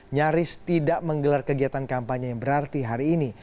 nyaris tidak menggelar kegiatan kampanye yang berarti hari ini